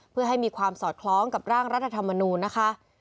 เพื่อให้มีความสอดคล้องกับร่างรัฐธรรมนูญนะคะ